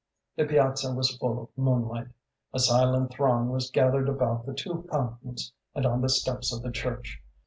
The piazza was full of moonlight. A silent throng was gathered about the two fountains and on the steps of the church.